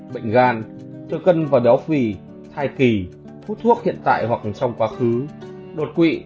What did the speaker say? bệnh gan tư cân và đéo phì thai kỳ hút thuốc hiện tại hoặc trong quá khứ đột quỵ